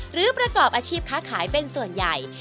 ประกอบอาชีพค้าขายเป็นส่วนใหญ่